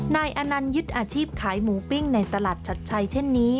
นายอนันต์ยึดอาชีพขายหมูปิ้งในตลาดชัดชัยเช่นนี้